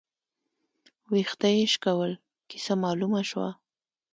، وېښته يې شکول، کيسه مالومه شوه